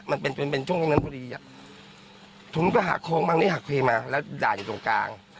มันเป็นเป็นเป็นช่วงแบบนั้นพอดีอ่ะทุนก็หาโค้งบางทีหาเคมาแล้วด่านอยู่ตรงกลาง